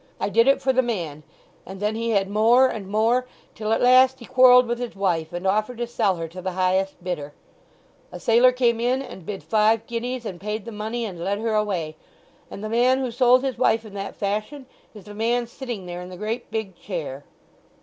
I did it for the man; and then he had more and more; till at last he quarrelled with his wife, and offered to sell her to the highest bidder. A sailor came in and bid five guineas, and paid the money, and led her away. And the man who sold his wife in that fashion is the man sitting there in the great big chair."